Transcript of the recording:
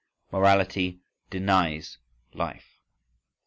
Morality denies life.